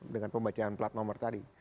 dengan pembacaan plat nomor tadi